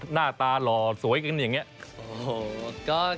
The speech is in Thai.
หน้าตาหล่อสวยกันอย่างนี้